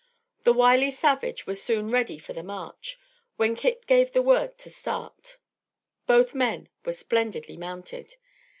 The wily savage was soon ready for the march, when Kit gave the word to start. Both men were splendidly mounted.